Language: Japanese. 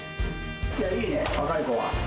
いいね、若い子は。